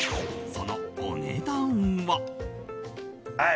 そのお値段は。